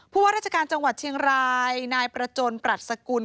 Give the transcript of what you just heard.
ว่าราชการจังหวัดเชียงรายนายประจนปรัชกุล